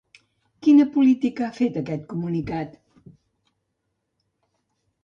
Quina política ha fet aquest comunicat?